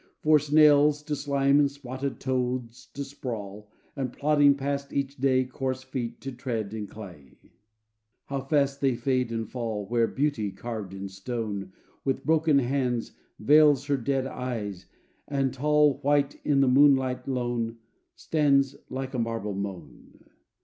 For snails to slime and spotted toads to sprawl, And, plodding past each day, Coarse feet to tread in clay. How fast they fade and fall Where Beauty, carved in stone, With broken hands veils her dead eyes, and, tall, White in the moonlight lone, Stands like a marble moan.